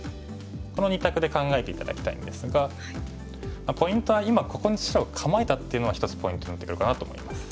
この２択で考えて頂きたいんですがポイントは今ここに白が構えたっていうのが一つポイントになってくるかなと思います。